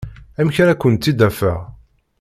Amek ara kent-id-afeɣ?